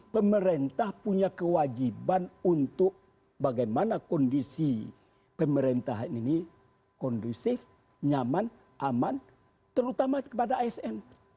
pemerintah punya kewajiban untuk bagaimana kondisi pemerintahan ini kondusif nyaman aman terutama kepada asn